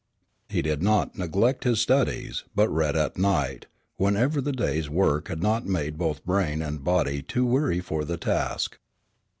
He did not neglect his studies, but read at night, whenever the day's work had not made both brain and body too weary for the task.